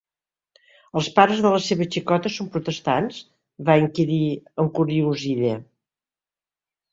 ¿els pares de la seva xicota són protestants?, va inquirir encuriosida.